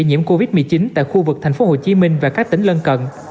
nhiễm covid một mươi chín tại khu vực thành phố hồ chí minh và các tỉnh lân cận